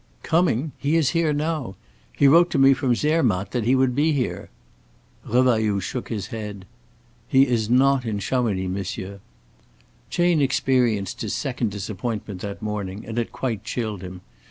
"Coming? He is here now. He wrote to me from Zermatt that he would be here." Revailloud shook his head. "He is not in Chamonix, monsieur." Chayne experienced his second disappointment that morning, and it quite chilled him.